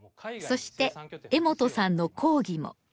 そして江本さんの講義も。